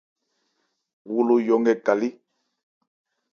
Wo lo yɔ nkɛ ka lé.